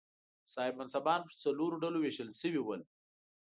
صاحب منصبان پر څلورو ډلو وېشل شوي ول.